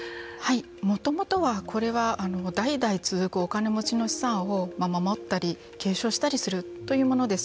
もともとはこれは代々続くお金持ちの資産を守ったり継承したりするというものです。